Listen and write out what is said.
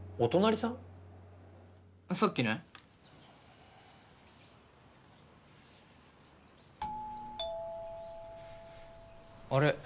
さっきねあれ？